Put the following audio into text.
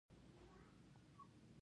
ځکه موږ د خپلو افکارو د کنټرول ځواک لرو.